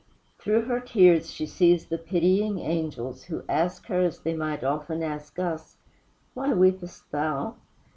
Through her tears she sees the pitying angels, who ask her as they might often ask us, "Why weepest thou?"